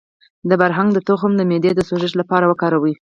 د بارهنګ تخم د معدې د سوزش لپاره وکاروئ